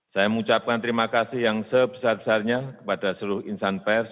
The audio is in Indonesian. saya mengucapkan terima kasih yang sebesar besarnya kepada seluruh insan pers